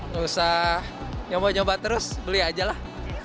nggak usah yang mau nyoba terus beli aja lah